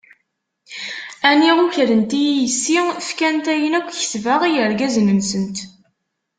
A niɣ ukrent-iyi yessi, fkant ayen akk kesbeɣ i yergazen-nsent.